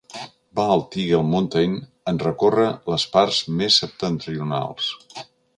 Bald Eagle Mountain en recorre les parts més septentrionals.